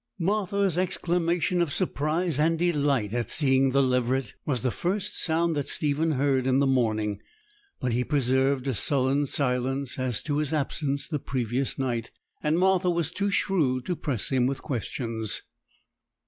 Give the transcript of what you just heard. Martha's exclamation of surprise and delight at seeing the leveret was the first sound that Stephen heard in the morning; but he preserved a sullen silence as to his absence the previous night, and Martha was too shrewd to press him with questions.